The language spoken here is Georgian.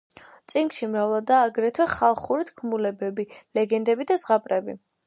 წიგნში მრავლადაა აგრეთვე ხალხური თქმულებები, ლეგენდები და ზღაპრები.